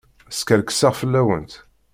Skerkseɣ fell-awent.